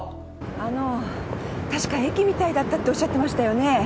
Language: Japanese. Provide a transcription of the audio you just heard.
あの確か駅みたいだったっておっしゃってましたよね？